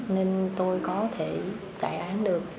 nên tôi có thể trại án được